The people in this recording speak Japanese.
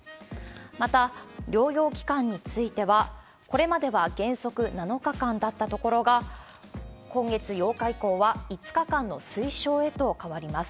また、療養期間については、これまでは原則７日間だったところが、今月８日以降は５日間の推奨へと変わります。